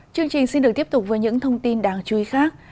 chương trình xin được tiếp tục với những thông tin đáng chú ý khác